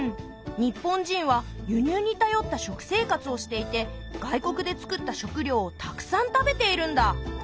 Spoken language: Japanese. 日本人は輸入にたよった食生活をしていて外国で作った食料をたくさん食べているんだ。